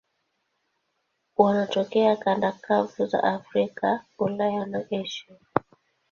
Wanatokea kanda kavu za Afrika, Ulaya na Asia.